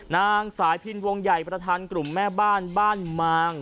นางสายพินวงใหญ่ประธานกลุ่มแม่บ้านบ้านมาง